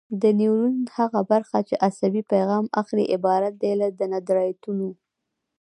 د نیورون هغه برخه چې عصبي پیغام اخلي عبارت دی له دندرایتونو.